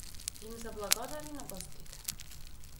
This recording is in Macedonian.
Им заблагодари на гостите.